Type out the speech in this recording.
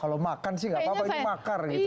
kalau makan sih nggak apa apa ini makar